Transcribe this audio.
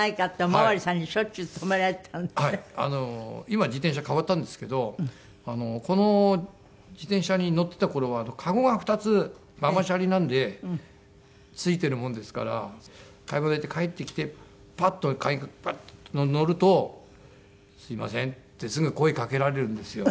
今自転車替わったんですけどこの自転車に乗ってた頃は籠が２つママチャリなんで付いてるもんですから買い物行って帰ってきてパッとパッと乗ると「すみません」ってすぐ声かけられるんですよ。